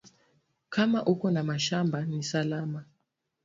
Kama uko na mashamba ni salama